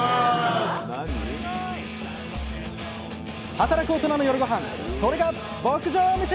働くオトナの夜ごはんそれが「牧場メシ」！